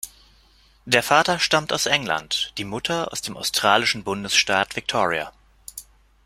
Der Vater stammte aus England, die Mutter aus dem australischen Bundesstaat Victoria.